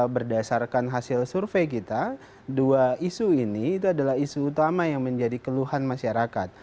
berdasarkan hasil survei kita dua isu ini itu adalah isu utama yang menjadi keluhan masyarakat